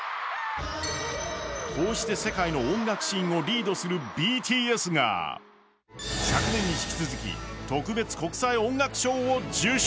こうして世界の音楽シーンをリードするＢＴＳが、昨年に引き続き特別国際音楽賞を受賞。